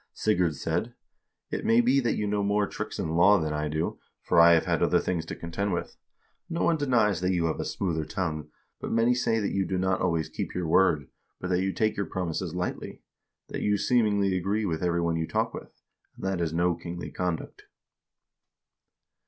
Sigurd said: 'It may be that you know more tricks in law than I do, for I have had other things to contend with. No one denies that you have a smoother tongue, but many say that you do not always keep your word, but that you take your promises lightly ; that you seemingly agree with every one you talk with, and that is no kingly conduct.'